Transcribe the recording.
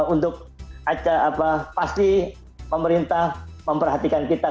untuk pasti pemerintah memperhatikan kita